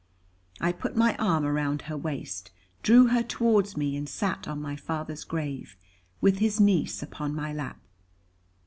I put my arm around her waist, drew her towards me, and sat on my father's grave, with his niece upon my lap.